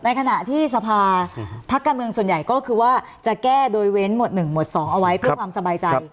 ขณะที่สภาพการเมืองส่วนใหญ่ก็คือว่าจะแก้โดยเว้นหมวด๑หมวด๒เอาไว้เพื่อความสบายใจ